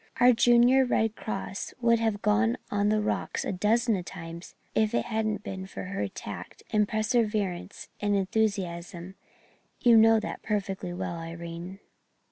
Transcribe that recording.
Our Junior Red Cross would have gone on the rocks a dozen times if it hadn't been for her tact and perseverance and enthusiasm you know that perfectly well, Irene."